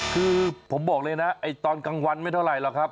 คือผมบอกเลยนะตอนกลางวันไม่เท่าไหร่หรอกครับ